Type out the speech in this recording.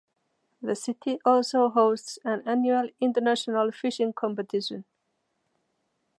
The city also hosts an annual international fishing competition.